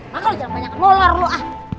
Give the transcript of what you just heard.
maka lu jangan banyak kemular lu ah